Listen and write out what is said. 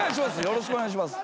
よろしくお願いします。